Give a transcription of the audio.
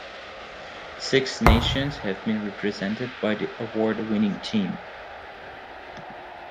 Six nations have been represented by the award winning team.